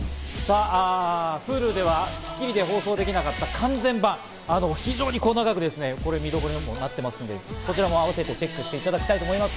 Ｈｕｌｕでは『スッキリ』で放送できなかった完全版は非常に細かく見どころもたくさん、こちらもあわせてチェックしていただきたいと思います。